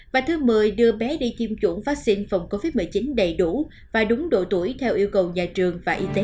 và thứ mười đưa bé đi kiêm chủng vắc xin phòng covid một mươi chín đầy đủ và đúng độ tuổi theo yêu cầu nhà trường và y tế địa phương